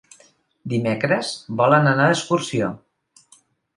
Dimecres volen anar d'excursió.